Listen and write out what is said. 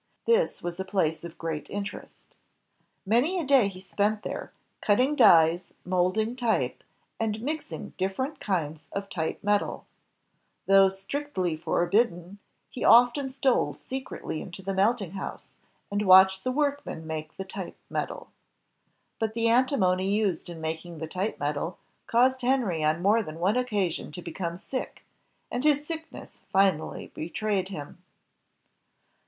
This was a place of great interest. Many a day he spent there, cutting dies, molding type, and mixing different kinds of type metal. Though strictly forbidden, he often stole secretly into the melting house and watched the workmen make the type metal. But the antimony used in making the type metal caused Henry on more than one occasion to become sick, and his sickness finally betrayed him.